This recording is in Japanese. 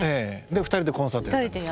２人でコンサートやったんです。